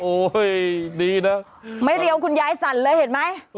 ดีนะไม่เรียวคุณยายสั่นเลยเห็นไหม